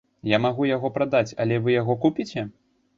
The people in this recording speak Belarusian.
Я магу яго прадаць, але вы яго купіце?